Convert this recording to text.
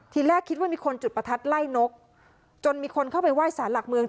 ทีแรกคิดว่ามีคนจุดประทัดไล่นกจนมีคนเข้าไปไห้สารหลักเมือง